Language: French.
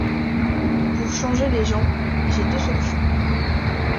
Pour changer les gens, j’ai deux solutions.